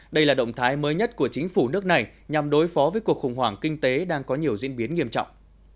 đây là động thái mới nhất của chính phủ nước này nhằm đối phó với cuộc khủng hoảng kinh tế đang có nhiều diễn biến nghiêm trọng